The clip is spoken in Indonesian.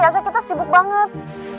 asal kita sibuk banget